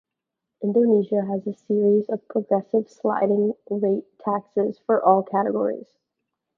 Indonesia has a series of progressive sliding rate taxes for all categories.